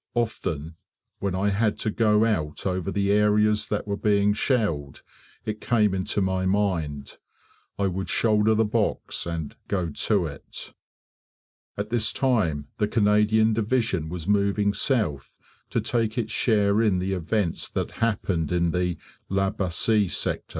Often when I had to go out over the areas that were being shelled, it came into my mind. I would shoulder the box, and "go to it". At this time the Canadian division was moving south to take its share in the events that happened in the La Bassee sector.